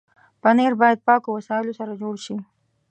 پنېر باید پاکو وسایلو سره جوړ شي.